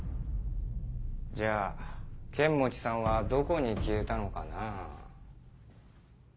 じゃあ剣持さんはどこに消えたのかなぁ？